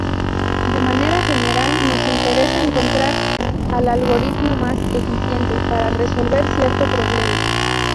De manera general, nos interesa encontrar el algoritmo más "eficiente" para resolver cierto problema.